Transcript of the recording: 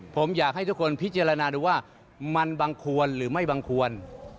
ผมอยากให้ทุกคนพิจารณาดูว่ามันบังควรหรือไม่บังควร